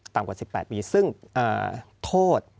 กว่า๑๘ปีซึ่งโทษ